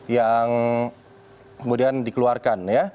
yang kemudian dikeluarkan